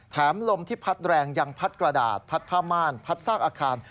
ลมที่พัดแรงยังพัดกระดาษพัดผ้าม่านพัดซากอาคาร